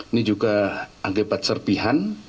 ini juga akibat serpihan